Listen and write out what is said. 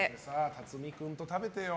辰巳君と食べてよ。